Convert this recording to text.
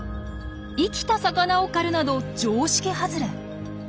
生きた魚を狩るなど常識はずれ。